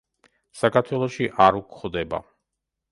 საქართველოში არ გვხვდება.